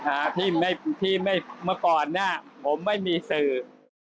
อ่าที่ไม่ที่ไม่เมื่อก่อนเนี้ยผมไม่มีสื่อ